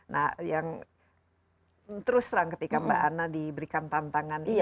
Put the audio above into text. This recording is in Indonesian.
nah yang terus terang ketika mbak anna diberikan tantangan ini